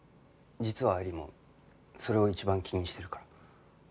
実は愛理もそれを一番気にしてるから。